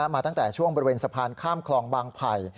มาตั้งแต่ช่วงบริเวณสะพานข้ามคลองบางไผ่